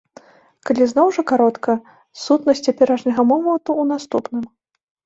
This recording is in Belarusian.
Калі зноў жа каротка, сутнасць цяперашняга моманту ў наступным.